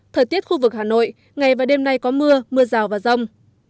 thời tiết khu vực hà nội ngày và đêm nay có mưa mưa rào và rông